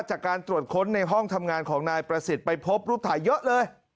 จากการตรวจค้นในห้องทำงานของนายประสิทธิ์ไปพบรูปถ่ายเยอะเลย